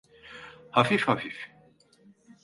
Hafif hafif...